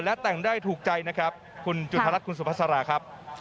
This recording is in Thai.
และแต่งได้ถูกใจนะครับคุณจุธรัฐคุณสุภาษาราครับ